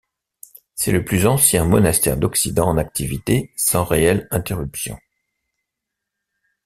C'est le plus ancien monastère d'Occident en activité sans réelle interruption.